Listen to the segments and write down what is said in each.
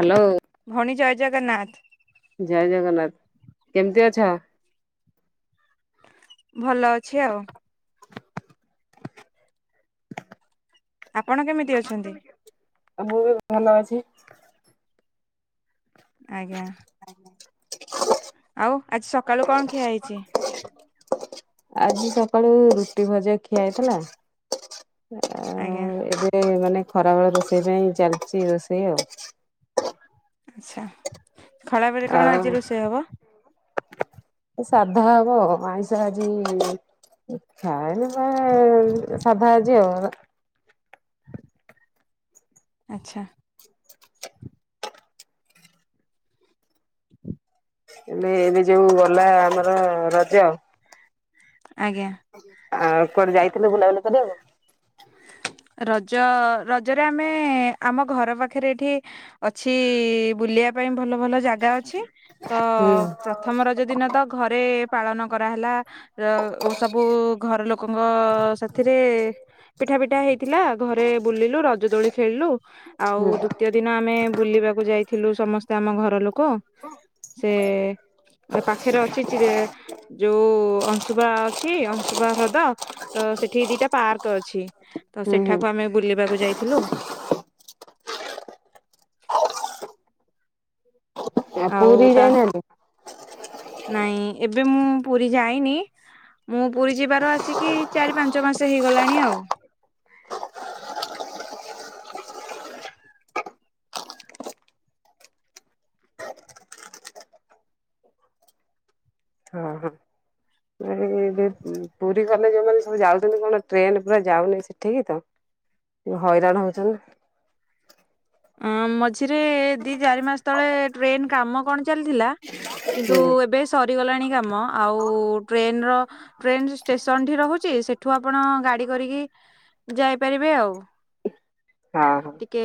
Hello. ଭଉଣୀ ଜୟ ଜଗନ୍ନାଥ। ଜୟ ଜଗନ୍ନାଥ। କେମିତି ଅଛ? ଭଲ ଅଛି ଆଉ। [inaudible] ଆପଣ କେମିତି ଅଛନ୍ତି? ଆଉ ମୁଁ ବି ଭଲ ଅଛି। ଆଜ୍ଞା। ଆଜ୍ଞା। ଆଉ ଆଜି ସକାଳୁ କଣ ଖିଆ ହେଇଛି? ଆଜି ସକାଳୁ ରୁଟି ଭଜା ଖିଆ ହେଇଥିଲା। ଆ ଆଜ୍ଞା। ଏବେ ମାନେ ଖରାବେେଳ ରୋଷେଇ ପାଇଁ ଚାଲିଛି ରୋଷେଇ ଆଉ। ଆଚ୍ଛା। ଖଳାବେଳେ କଣ ଆଜି ଆଉ ରୋଷେଇ ହବ? ସାଧା ହବ। ଆଇଁଷ ଆଜି ଖାଇନି କଣ, ସାଧା ଆଜି ଆଉ। ଆଚ୍ଛା। [inaudible] ଏଲେ ଏବେ ଯୋଉ ଗଲା ଆମର ରଜ ଆଜ୍ଞା। ଆଉ କୁଆଡେ ଯାଇଥିଲ ବୁଲାବୁଲି କରିବାକୁ? ରଜ, ରଜରେ ଆମେ ଆମ ଘର ପାଖରେ ଏଠି ଅଛି ବୁଲିବା ପାଇଁ ଭଲ ଭଲ ଜାଗା ଅଛି। ତ ହୁଁ ପ୍ରଥମ ରଜ ଦିନ ତ ଘରେ ପାଳନ କରାହେଲା। ର ଓ ସବୁ ଘର ଲୋକଙ୍କ ସାଥିରେ। ପିଠା ଫିଠା ହେଇଥିଲା। ଘରେ ବୁଲିଲୁ। ରଜ ଦୋଳି ଖେଳିଲୁ। ଆଉ ହୁଁ ଦୁ ତୀୟ ଦିନ ଆମେ ବୁଲିବାକୁ ଯାଇଥିଲୁ ସମସ୍ତେ ଆମ ଘର ଲୋକ। ସେ ପାଖରେ ଅଛି ଚିଲି ଯୋଉ ଅଂଶୁ ଅଂଶୁପା ଅଛି, ଅଂଶୁପା ହ୍ରଦ। ତ ସେଠି ଦିଟା ପାର୍କ ଅଛି। ତ ହୁଁ ହୁଁ ସେଠାକୁ ଆମେ ବୁଲିବାକୁ ଯାଇଥିଲୁ। ଆଉ ପୁରୀ ତା, ଯାଇନାହାନ୍ତି? ନାଇଁ ଏବେ ମୁଁ ପୁରୀ ଯାଇନି। ମୁଁ ପୁରୀ ଯିବାର ଆସିକି ଚାରି ପାଞ୍ଚ ମାସ ହେଇଗଲାଣି ଆଉ। ହଁ ହଁ [unintelligible] ପୁରୀ ଗଲେ ଯୋଉମାନେ ସବୁ ଯାଉଛନ୍ତି କଣ ଟ୍ରେନ ପୁରା ଯାଉନି ସେଠିକି ତ। ଟିକେ ହଇରାଣ ହଉଛନ୍ତି। ଅ ମଝିରେ ଦି ଚାରି ମାସ ତଳେ ଟ୍ରେନ କାମ କଣ ଚାଲିଥିଲା। କିନ୍ତୁ ହୁଁ ଏବେ ସରିଗଲାଣି କାମ। ଆଉ ଟ୍ରେନର ଟ୍ରେନ ଷ୍ଟେସନ ଠି ରହୁଛି। ସେଠୁ ଆପଣ ଗାଡି କରିକି ଯାଇପାରିବେ ଆଉ। କା ହୋଉ। କେ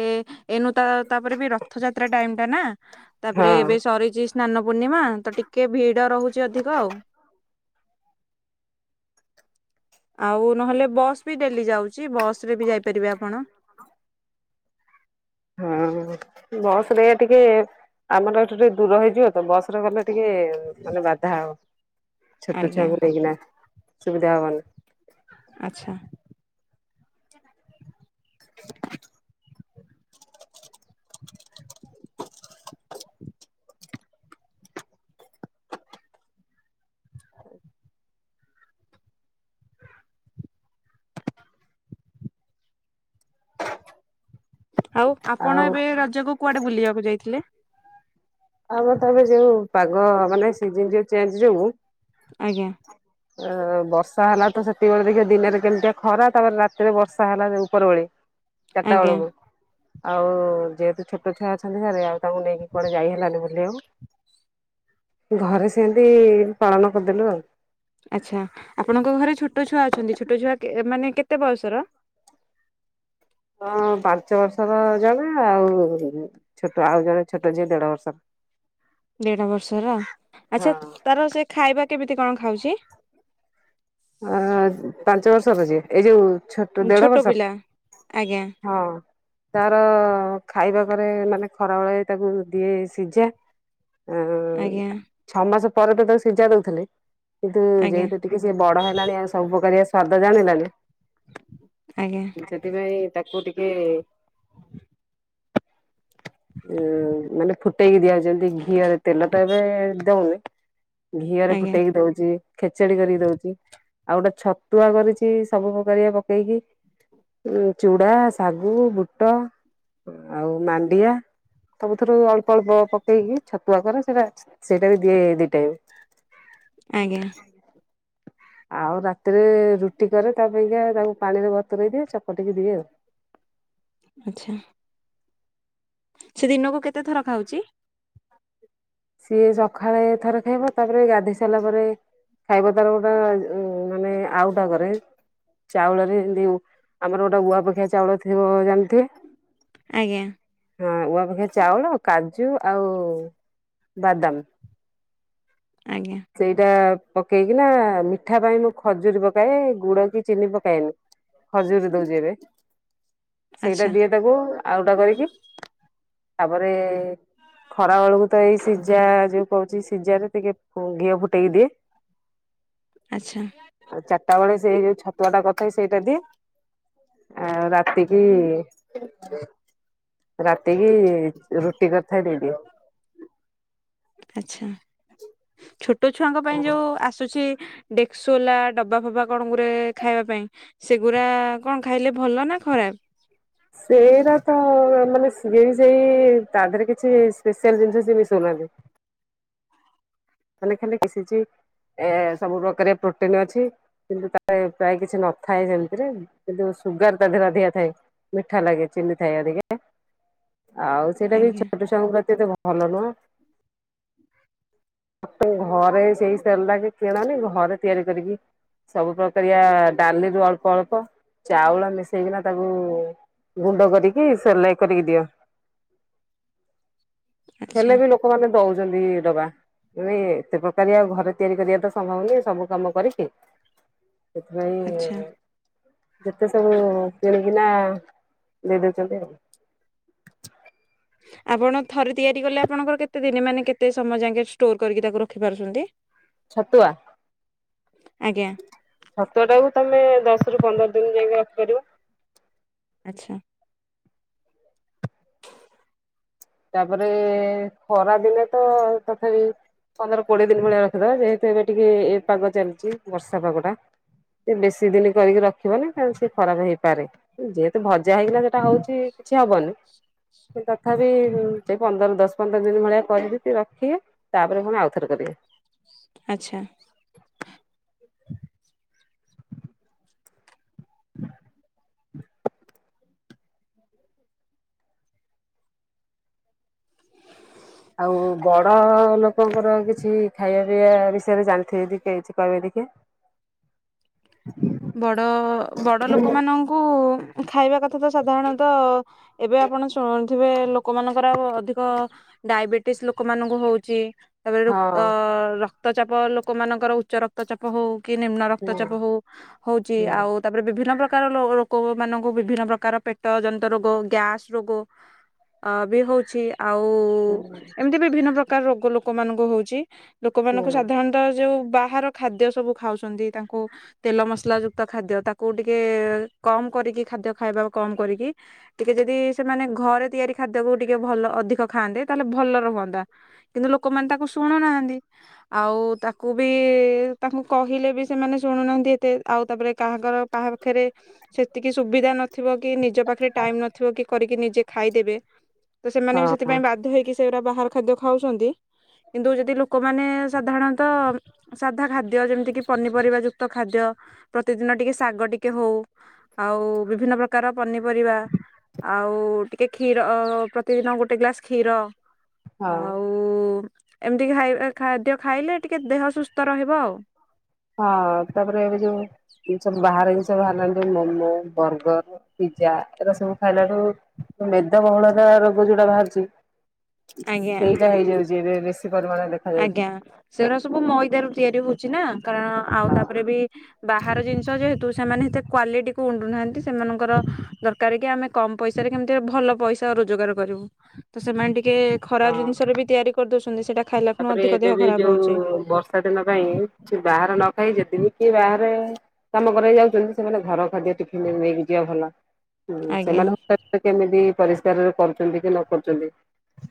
ଏଇନୁ ତା ତାପରେ ବି ରଥଯାତ୍ରା ଟାଇମ ଟା ନା। ତାପରେ ହଁ ଏବେ ସରିଛି ସ୍ନାନ ପୂର୍ଣ୍ଣିମା। ତ ଟିକେ ଭିଡ଼ ରହୁଛି ଅଧିକ ଆଉ। ଆଉ ନହେଲେ ବସ୍ ବି ଡେଲି ଯାଉଛି ବସ ରେ ବି ଯାଇପାରିବେ ଆପଣ ହଁ ବସରେ ଟିକେ ଆମର ଏଠୁ ଟିକେ ଦୂର ହେଇଯିବ ତ ବସରେ ଗଲେ ଟିକେ ମାନେ ବାଧା ହବ ଛୋଟ ଆଜ୍ଞା ଛୁଆଙ୍କୁ ନେଇକିନା ସୁବିଧା ହବନି ଆଚ୍ଛା [inaudible] ଆଉ ଆପଣ ଆଉ ଏବେ ରଜକୁ କୁଆଡେ ବୁଲିବାକୁ ଯାଇଥିଲେ। ଆମ ତମେ ଯୋଉ ପାଗ ମାନେ ସି ଯୋଉ ଚେଞ୍ଜ ଯଉୁ ଆଜ୍ଞା ହ [unintelligible] ଅ ବର୍ଷା ହେଲା ତ ସେତିକବେଳେ ଦେଖିବା ଦିନରେ କେମିତିଆ ଖରା ତାପରେ ରାତିରେ ବର୍ଷା ହେଲା ଉପର ଭଳି ଚାରିଟା ଆଜ୍ଞା ବେଳକୁ ଆଉ ଯେହେତୁ ଛୋଟ ଛୁଆ ଅଛନ୍ତି ସରେ ଆଉ ତାଙ୍କୁ ନେଇକି କୁଆଡେ ଯାଇହ ହେଲାନି ବୋଲି ଆଉ ଘରେ ସେମତି ପାଳନ କରିଦେଲୁ ଆଉ ଆଚ୍ଛା ଆପଣଙ୍କ ଘରେ ଛୋଟ ଛୁଆ ଅଛନ୍ତି ଛୋଟ ଛୁଆ କେ ମାନେ କେତେ ବୟସର? ହଁ ପାଞ୍ଚ ବର୍ଷର ଜଣ ଆଉ ଛୋଟ ଆଉ ଜଣେ ଛୋଟ ଯିଏ ଦେଢ ବର୍ଷର ଦେଢ ବର୍ଷର ଆଚ୍ଛା ହଁ ତାର ସେ ଖାଇବା କେମିତି କଣ ଖାଉଛି ଅ ପାଞ୍ଚ ବର୍ଷର ଯିଏ ଏଇ ଯୋଉ ଛୋଟ ଦେଢ ଆଜ୍ଞା ବର୍ଷର ହଁ ତାର ଖାଇବା କରେ ମାନେ ଖରାବେଳେ ତାକୁ ଦିଏ ସିଝା ଆଜ୍ଞା ଛଅ ମାସ ପରେ ତ ତାକୁ ସିଝା ଦଉଥିଲେ କିନ୍ତୁ ଆଜ୍ଞା ଯେହେତୁ ଟିକେ ସେ ବଡ ହେଲାଣି ଆଉ ସବୁ ପ୍ରକାର ସ୍ଵାଦ ଜାଣିଲାଣି ଆଜ୍ଞା ସେଥିପାଇଁ ତାକୁ ଟିକେ [inaudible] ଉ ମାନେ ଫୁଟେଇକି ଦିଆଯାଉଛନ୍ତି ଘିଅରେ ତେଲଟା ଏବେ ଦଉନି ଘିଅରେ ଆଜ୍ଞା ଫୁଟେଇକି ଦଉଛି ଖେଚଡି କରିକି ଦଉଛି ଆଉ ଗୋଟେ ଛତୁଆ କରିଛି ସବୁ ପ୍ରକାରିଆ ପକେଇକି ଉ ଚୁଡ଼ା ଶାଗୁ ବୁଟ ଆଉ ମାଣ୍ଡିଆ ତମୁ ଥର ଅଳ୍ପ ଅଳ୍ପ ପକେଇକି ଛତୁଆ କରେ ସେଇଟା ସେଇଟା ବି ଦିଏ ଦି ଟାଇମ ଆଜ୍ଞା ଆଉ ରାତିରେ ରୁଟି କରେ ତା ପାଇଁକା ତାକୁ ପାଣିରେ ବତରେଇ ଦିଏ ଚପଟିକି ଦିଏ ଆଉ ଆଚ୍ଛା ସେ ଦିନକୁ କେତେ ଥର ଖାଉଛି? ସିଏ ସକାଳେ ଥରେ ଖାଇବ ତାପରେ ଗାଧୋଇ ସାରିଲା ପରେ ଖାଇବା ତାର ଗୋଟେ ମାନେ ଆଉ ଟାକରେ ଚାଉଳରେ ଏମତି ଆମର ଗୋଟେ ଉଆପଖିଆ ଚାଉଳ ଥିବ ଜାଣିଥିବେ ଆଜ୍ଞା ହଁ ଉଆପେକ୍ଷା ଚାଉଳ କାଜୁ ଆଉ ବାଦାମ ଆଜ୍ଞା ସେଇଟା ପକେଇକି ନା ମିଠା ପାଇଁ ମୁଁ ଖଜୁରୀ ପକାଏ ଗୁଡ କି ଚିନି ପକାଏନି ଖଜୁରୀ ଦଉଛି ଏବେ ଆଚ୍ଛା ସେଇଟା ଦିଏ ତାକୁ ଆଉଟା କରିକି ତାପରେ ଖରା ବେଳକୁ ତ ଏଇ ସିଝା ଯୋଉ କହୁଛି ସିଝା ରେ ଟିକେ ହଁ ଘିଅ ଫୁଟେଇକି ଦିଏ। ଆଚ୍ଛା। ଆଉ ଚାରିଟା ବଳେ ସେଇ ଯୋଉ ଛତୁଆ ଟା କରିଥାଏ ସେଇଟା ଦିଏ। ଆଉ ରାତିକି ରାତିକି ରୁଟି କରିଥାଏ ଦେଇଦିଏ। ଆଚ୍ଛା। ଛୋଟ ଛୁଆଙ୍କ ପାଇଁ ଯୋଉ ଆସୁଛି ଡେକ୍ ସୁଲା ଡବା ଫବା କଣ ଗୁରେ ଖାଇବା ପାଇଁ। ସେଗୁରା କଣ ଖାଇଲେ ଭଲ ନା ଖରାପ୍? ସେଇରା ତ, ମାନେ ସିଏ ବି ସେଇ ତା ଧେରେ କିଛି ସ୍ପେସଆଲ୍ ଜିନିଷ ସିଏ ମିଶଉ ନାହାଁନ୍ତି। ତାନେ ଖାଲି କି ସିଜେଇ, ଏ ସବୁ ପ୍ରକାରେ ପ୍ରୋଟିନ ଅଛି। କିନ୍ତୁ ତାଏ ପ୍ରାୟ କିଛି ନଥାଏ ସେମିତିରେ, କିନ୍ତୁ ସୁଗାର ତା ଦେହରେ ଅଧିକା ଥାଏ। ମିଠା ଲାଗେ ଚିନି ଥାଏ ଅଧିକା ଆଉ ସେଇଟା ବି ଆଜ୍ଞା ଛୋଟ ଛୁଆଙ୍କ ପ୍ରତି ଏତେ ଭଲ ନୁହଁ। ମୋଟୁ ଘରେ ସେଇ ସେର୍ଲାକ କିଣନି ଘରେ ତିଆରି କରିକି ସବୁ ପ୍ରକାରିଆ ଡାଲିରୁ, ଅଳ୍ପ ଅଳ୍ପ ଚାଉଳ ମିଶେଇକିନା ତାକୁ ଗୁଣ୍ଡ କରିକି ସେର୍ଲାକ କରିକି ଦିଅ। ଆଚ୍ଛା ହେଲେ ବି ଲୋକମାନେ ଦଉଛନ୍ତି ଡବା। ନେ ଏତେ ପ୍ରକାରିଆ ଆଉ ଘରେ ତିଆରି କରିବା ତ ସମ୍ଭବନି ସବୁ କାମ କରିକି ସେଥିପାଇଁ ଆଚ୍ଛା ଯେତେ ସବୁ କିଣିକିନା, ଦେଇ ଦଉଚନ୍ତି ଆଉ। ଆପଣ ଥରେ ତିଆରି କଲେ ଆପଣଙ୍କର କେତେ ଦିନି ମାନେ କେତେ ସମୟ ଯାକେ ଷ୍ଟୋର କରିକି ତାକୁ ରଖିପାରୁଛନ୍ତି? ଛତୁଆ? ଆଜ୍ଞା ଛତୁଆ ଟାକୁୁ ତମେ ଦଶ ରୁ ପନ୍ଦର ଦିନି ଯାଇକି ରଖିପାରିବ। ଆଚ୍ଛା। ତାପରେ, ଖରା ଦିନେ ତ ତଥାପି ପନ୍ଦର, କୋଡିଏ ଦିନି ଭଳିଆ ରଖିଦବା, ଯେହେତୁ ଏବେ ଟିକେ ଏ ପାଗ ଚାଲିଛି, ବର୍ଷା ପାଗ ଟା। ଏ ବେଶୀ ଦିନି କରିକି ରଖିବନି କାର ସେ ଖରାପ ହେଇପାରେ? ଯେହେତୁ ଭଜା ହେଇକିନା ସେଟା ହଉଛି କିଛି ହବନି ତଥାବି ହୁଁ ସେଇ ପନ୍ଦର ଦଶ ପନ୍ଦର ଦିନ ଭଳିଆ କରିକି ସିଏ ରଖିବେ ତାପରେ ପୁଣି ଆଉଥରେ କରିବେ। ଆଚ୍ଛା। ଆଉ ବଡ ଲୋକଙ୍କର କିଛି ଖାଇବା ପିଇବା ବିଷୟରେ ଜାଣିଥିବେ ଯଦି କେ କିଛି କହିବେ ଟିକେ? ବଡ, ବଡ ଲୋକମାନଙ୍କୁ ଖାଇବା କ କଥା ତ ସାଧାରଣତଃ ଏବେ ଆପଣ ଶୁ ଥିବେ ଲୋକମାନଙ୍କର ଆଉ ଅଧିକ ଡାଇବେଟିସ୍ ଲୋକମାନଙ୍କୁ ହଉଛି। ଏବେ ରୁ ହଁ ଅ ରକ୍ତଚାପ ଲୋକମାନଙ୍କର ଉଚ୍ଚ ରକ୍ତଚାପ ହଉ, କି ନିମ୍ନ ହୁଁ ରକ୍ତଚାପ ହଉ, ହଉଛି ହୁଁ ଆଉ ତାପରେ ବିଭିନ୍ନ ପ୍ରକାର ଲୋ ଲୋକ ମାନଙ୍କୁ ବିଭିନ୍ନ ପ୍ରକାର ପେଟ ଜନିନ୍ତ ରୋଗ, ଗ୍ୟାସ ରୋଗୋ ଅ ବି ହଉଛି ଆ ଆଉ ହୁଁ ଏମିତି ବିଭିନ୍ନ ପ୍ରକାର ରୋଗ ଲୋକମାନଙ୍କୁ ହଉଛି। ହୁଁ ଲୋକମାନଙ୍କୁ ସାଧାରଣ ର ଯୋଉ ବାହାର ଖାଦ୍ୟ ସବୁ ଖାଉଛନ୍ତି ତାଙ୍କୁ ତେଲ ମସଲା ଯୁକ୍ତ ଖାଦ୍ୟ ତାକୁ ଟିକେ କମ୍ କରିକି ଖାଦ୍ୟ ଖାଇବା କମ୍ କରିକି ଟିକେ ଯଦି ସେମାନେ ଘରେ ତିଆରି ଖାଦ୍ୟକୁ ଟିକେ ଭଲ ଅଧିକ ଖାଆନ୍ତେ ତାହେଲେ ଭଲ ରୁହନ୍ତା। କିନ୍ତୁ ଲୋକମାନେ ତାକୁ ଶୁଣୁ ନାହାଁନ୍ତି ଆଉ ତାକୁ ବି ତାଙ୍କୁ କହିଲେ ବି ସେମାନେ ଶୁଣୁନାହାନ୍ତି ଏତେ, ଆଉ ତାପରେ କାହାଙ୍କର ପାହା ଖେରେ ସେତିକି ସୁବିଧା ନଥିବ କି, ନିଜ ପାଖରେ ଟାଇମ ନଥିବ କି, କରିକି ନିଜେ ଖାଇଦେବେ। ତ ସେମାନେ ବି ହଁ ହଁ ସେଥିପାଇଁ ବାଧ୍ୟ ହେଇକି ସେଗୁରା ବାହାର ଖାଦ୍ୟ ଖାଉଛନ୍ତି। କିନ୍ତୁ ଯଦି ଲୋକମାନେ ସାଧାରଣତଃ ସାଧା ଖାଦ୍ୟ, ଯେମିତି କିି ପନିପରିବା ଯୁକ୍ତ ଖାଦ୍ୟ, ପ୍ରତିଦିନ ଟିକେ ଶାଗ ଟିକେ ହଉ। ଆଉ ବିଭିନ୍ନ ପ୍ରକାର ପନିପରିବା। ଆଉ ଟିକେ କ୍ଷୀର ଅ ପ୍ରତିଦିନ ଗୋଟେ ଗ୍ଲାସ୍ କ୍ଷୀର। ହଁ ଆଉ ଏମିତି [unintelligible] ଖାଦ୍ୟ ଖାଇଲେ, ଟିକେ ଦେହ ସୁସ୍ଥ ରହିବ ଆଉ। ହଁ ତାପରେ ଏବେ ଯୋଉ ସବୁ ବାହାର ଜିନିଷ ବାହାରିଲାଣି ମୋମୋ, ବର୍ଗର, ପିଜ୍ଜା, ଏ ସବୁ ଖାଇଲାଠୁ ମେଦବହୁଳତା ରୋଗ ଯୋଉଟା ବାହାରୁଛି ଆଜ୍ଞା। ସେଇଟା ହେଇଯାଉଛି ଏବେ ବେଶୀ ପରିମାଣରେ। ଦେଖାଯାଉଛି। ଆଜ୍ଞା। ସେଗୁଟା ସବୁ ମଇଦା ରୁ ତିଆରି ହଉଛି ନା କାରଣ ଆଉ ତାପରେ ହଁ ବି ବାହାର ଜିନିଷ ଯେହେତୁ ସେମାନେ ଏତେ କ୍ଵାଲିଟି କୁ ଉଣ୍ଡୁନାହାନ୍ତି, ସେମାନଙ୍କର ଦରକାର କି ଆମେ କମ ପଇସାରେ କେମିତି ଭଲ ପଇସା ରୋଜଗାର କରିବୁ। ତ ସେମାନେ ଟିକେ ଖରାପ ହଁ ଜିନିଷରେ ବି ତିଆରି କରିଦଉଛନ୍ତି। ସେଇଟା ଖାଇଲା ଖୁଣୁ ତାପରେ ଅଧିକ ଏବେ ଦେହ ବି ଖରାପ ଯୋଉ ହଉଛି। ବର୍ଷା ଦିନ ପାଇଁ କିଛି ବାହର ନ ଖାଇ [unintelligible] ବାହାରେ ତମ ଘରେ ଯାଉଛନ୍ତି ସେମାନେ ଘର ଖାଦ୍ୟ ଟିଫିନରେ ନେଇକି ଯିବା ଭଲ। ହୁଁ ଆଜ୍ଞା ସେମାନେ [unintelligible] କେମିତି ପରିଷ୍କାରରେ କରୁଛନ୍ତି କି ନ କରୁଛନ୍ତି।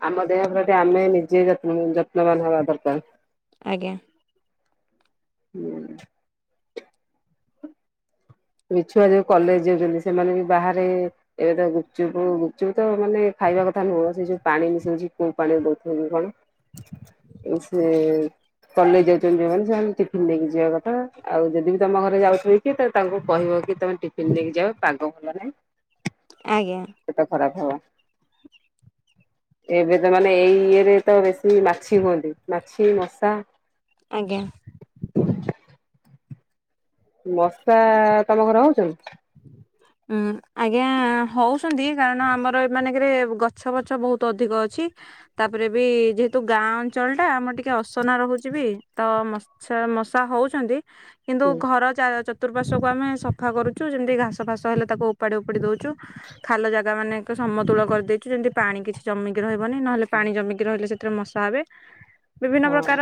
ଆମ ଦେହ ପ୍ରତି ଆମେ ନିଜେ ଯନ ଯତ୍ନବାନ ହବା ଦରକାର। ଆଜ୍ଞା। ହୁଁ। ଛୁଆ ଯୋଉ କଲେଜ ଯାଉଛନ୍ତି ସେମାନେ ବି ବାହାରେ ଏବେ ତ ଗୁପଚୁପ ଗୁପଚୁପ ତ ମାନେ ଖାଇବା କଥା ନୁହଁ, ସେ ଯୋଉ ପାଣି ମିଶୋଛି କୋଉ ପାଣିରେ ଦଉଥିବ କି କଣ। ଏ ସେ କଲେଇ ଯାଉଛନ୍ତି ଯୋଉମାନେ [unintelligible] ଟିଫିନ ନେଇକି ଯିବା କଥା। ଆଉ ଯଦି ବି ତମ ଘରେ ଯାଉଛନ୍ତି କି ତାଙ୍କୁ କହିବ କି ତମେ ଟିଫିନ ଦେଇକି ଯା ପାଗ ଭଲ ନାଇଁ। ଆଜ୍ଞା। [unintelligible] ଖରାପ ହବ। ଏବେ ତ ମାନେ ଏଇ ଇଏରେ ତ ବେଶୀ ମାଛି ହୁଅନ୍ତି ମାଛି ମଶା। ଆଜ୍ଞା। ମଶା ତମ ଘର ହଉଛନ୍ତି? ଉଁ ଆଜ୍ଞା ହଉଛନ୍ତି କାରଣ ଆମର ଏ ମାନଙ୍କରେ ଗଛ ବଛ ବହୁତ ଅଧିକ ଅଛି। ତାପରେ ବି ଯେହେତୁ ଗାଁ ଅଞ୍ଚଳ ଟା, ଆମର ଟିକେ ଅସନା ରହୁଛି ବି। ତ ଆଛା ମଶା ହଉଛନ୍ତି କିନ୍ତୁ ଘର [unintelligible] ଚତୁର୍ପାର୍ଶ୍ୱ କୁ ଆମେ ସଫା କରୁଛୁ, ଯେମିତି ଘାସ ଫାସ ହେଲେ ତାକୁ ଉପାଡି ଉପାଡି ଦଉଛୁ। ଖାଲ ଜାଗା ମାନେ କ ସମତୁଳ କରିଦେଇଛୁ, ଯେମିତି ପାଣି କିଛି ଜମିକି ରହିବନି ନହେଲେ ପାଣି ଜମିକି ରହିଲେ ସେଥିରେ ମଶା ହେବେ। ବିଭିନ୍ନ ହଁ ପ୍ରକାର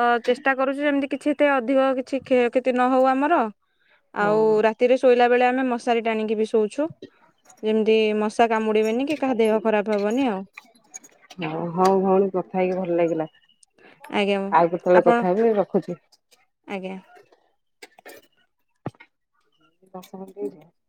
ଅ ଚେଷ୍ଟା କରୁଛୁ ଯେମିତି କିଛି ଏତେ ଅଧିକ କିଛି କ୍ଷୟ କ୍ଷ ନ ହଉ ଆମର, ଆଉ ରାତିରେ ଶୋଇଲା ବେଳେ ଆମେ ମଶାରୀ ଟାଣିକି ବି ଶୋଉ ଛୁ। ଯେମିତି ମଶା କାମୁଡିବେନି କି କାହା ଦେହ ଖରାପ ହବନି ଆଉ। ହ ହଉ ଭଉଣୀ କଥା ହେଇକି ଭଲ ଲାଗିଲା। ଆଜ୍ଞା ଆଉ କେତେବେଳେ ଆପଣ କଥା ହେବି, ରଖୁଛି। ଆଜ୍ଞା। [unintelligible]